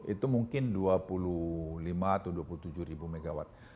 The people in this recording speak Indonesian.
itu mungkin dua puluh lima atau dua puluh tujuh ribu megawatt